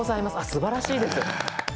すばらしいです。